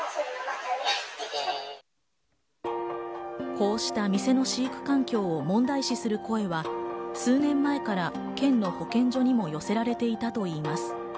こうした店の飼育環境を問題視する声は、数年前から県の保健所にも寄せられていたといいます。